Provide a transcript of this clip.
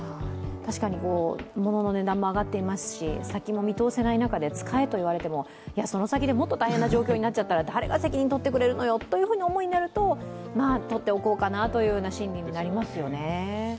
確かにものの値段も上がっていますし、先も見通せない中で使えといわれても、その先で大変な状況になったら誰が責任をとってくれるのよという思いになると取っておこうかなという心理になりますよね。